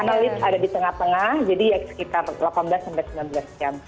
karena lift ada di tengah tengah jadi ya sekitar delapan belas sampai sembilan belas jam